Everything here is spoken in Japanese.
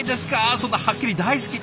そんなはっきり「大好き」って。